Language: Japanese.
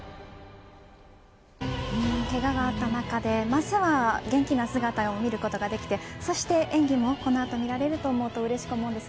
けががあった中でまずは元気な姿を見ることができてそして演技もこの後見られると思うとうれしく思います。